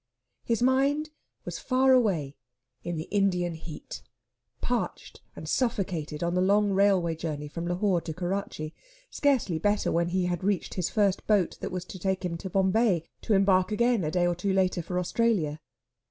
His mind was far away in the Indian heat, parching and suffocated on the long railway journey from Lahore to Kurachi, scarcely better when he had reached his first boat that was to take him to Bombay, to embark again a day or two later for Australia.